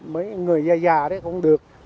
mới người già già đấy không được